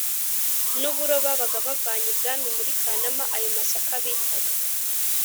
n uburo babaga bavanye ibwami muri Kanama Ayo masaka bitaga